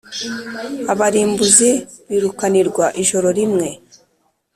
Abarimbuzi birukanirwa ijoro rimwe